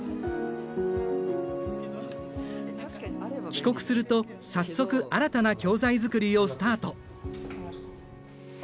帰国すると早速新たな教材作りをスタート。